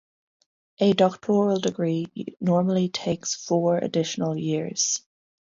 A doctoral degree normally takes four additional years.